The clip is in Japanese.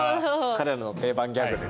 彼らの定番ギャグです。